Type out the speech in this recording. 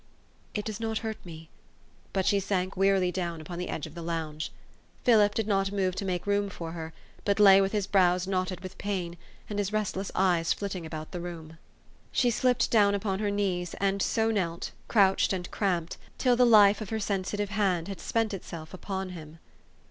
" "It does not hurt me;" but she sank wearily down upon the edge of the lounge. Philip did not move to make room for her, but lay with his brows knotted with pain, and his restless eyes flitting about the room. She slipped down upon her knees, and so knelt, crouched and cramped, till the life of her sensitive hand had spent itself upon him.